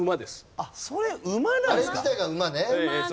あっそれ馬なんですか？